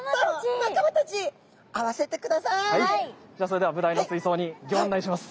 じゃそれではブダイの水槽にギョ案内します。